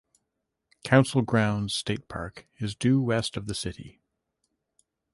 Council Grounds State Park is due west of the city.